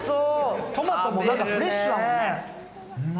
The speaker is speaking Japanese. トマトもフレッシュだもんね。